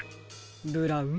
ブラウン